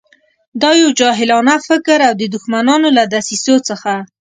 دا یو جاهلانه فکر او د دښمنانو له دسیسو څخه.